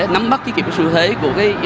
nắm mắt cái kiệp sưu thế của các doanh nhân trẻ